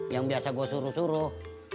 yang biasa gue suruh suruh